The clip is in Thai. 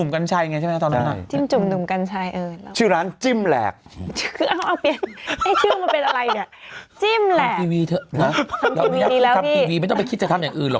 เป็นอะไรเนี่ยจิ้มแหละทำทีวีเถอะทำทีวีดีแล้วพี่ไม่ต้องไปคิดจะทำอย่างอื่นหรอก